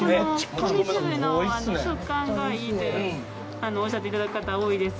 米粒の食感がいいっておっしゃっていただく方多いです。